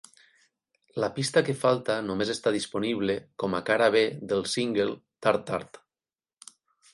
La pista que falta només està disponible com a cara B del single "Tart Tart".